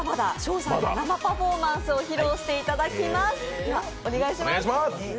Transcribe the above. さんに生パフォーマンスを披露していただきます。